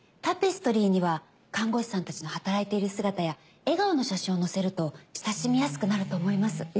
タペストリーには看護師さんたちの働いている姿や笑顔の写真を載せると親しみやすくなると思います。